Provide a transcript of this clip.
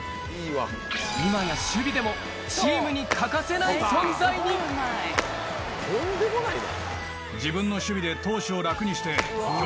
今や守備でもチームに欠かせない存在に投手を楽にして。